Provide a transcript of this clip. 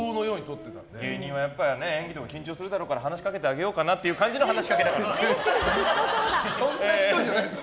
芸人は演技とか緊張するだろうから話しかけてあげようかなっていうそんな人じゃないです。